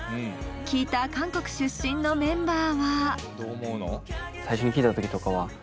聴いた韓国出身のメンバーは？